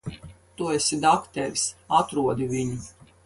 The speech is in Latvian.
Tu esi dakteris. Atrodi viņu.